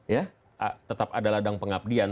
ya tetap ada ladang pengabdian